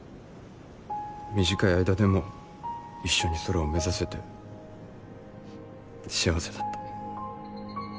短い間でも一緒に空を目指せて幸せだった。